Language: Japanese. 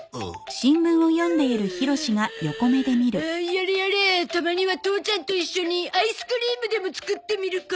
やれやれたまには父ちゃんと一緒にアイスクリームでも作ってみるか。